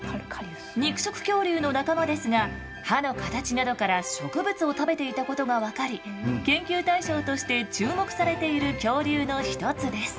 肉食恐竜の仲間ですが歯の形などから植物を食べていたことが分かり研究対象として注目されている恐竜の一つです。